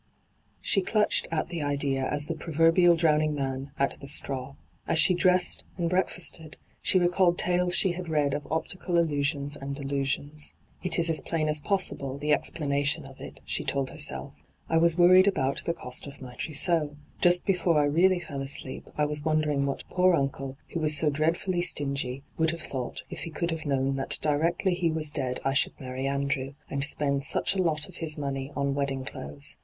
She clutched at the idea as the proverbial drowning man at the straw. As she dressed and break&sted she recalled tales she had read of optical illusions and delusions. ' It is as plain as possible, the explanation of it,* she told herself. ' I was worried about the cost of my trousseau. Just before I really fell asleep I was wondering what poor uncle, who was so dreadfully stingy, would have thought if he could have known that directly he was dead I should marry Andrew, and spend such a lot of his money on wedding clothes.